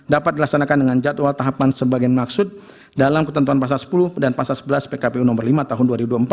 dapat dilaksanakan dengan jadwal tahapan sebagian maksud dalam ketentuan pasal sepuluh dan pasal sebelas pkpu nomor lima tahun dua ribu dua puluh empat